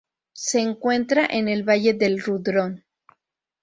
Se encuentra en el Valle del Rudrón.